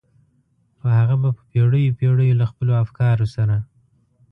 خو هغه به په پېړيو پېړيو له خپلو افکارو سره.